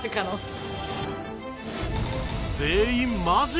全員マジ